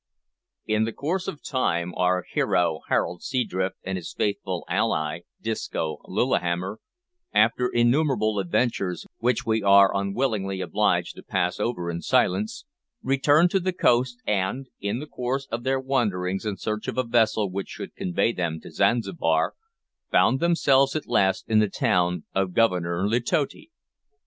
In the course of time, our hero, Harold Seadrift, and his faithful ally, Disco Lillihammer, after innumerable adventures which we are unwillingly obliged to pass over in silence, returned to the coast and, in the course of their wanderings in search of a vessel which should convey them to Zanzibar, found themselves at last in the town of Governor Letotti.